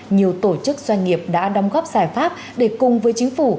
nhiều tổ chức doanh nghiệp đã đóng góp giải pháp để cùng với chính phủ